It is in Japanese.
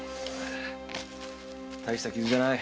大した傷じゃない。